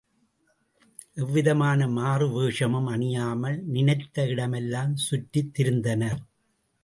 எவ்விதமான மாறுவேஷமும் அணியாமல், நினைத்த இடமெல்லாம் சுற்றித் திரிந்தனர்.